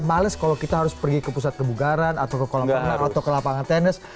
males kalau kita harus pergi ke pusat kebugaran atau ke kolam penang atau ke lapangan tenis